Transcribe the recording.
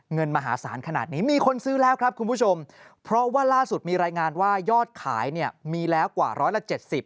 เงินมหาศาลขนาดนี้มีคนซื้อแล้วครับคุณผู้ชมเพราะว่าล่าสุดมีรายงานว่ายอดขายเนี่ยมีแล้วกว่าร้อยละเจ็ดสิบ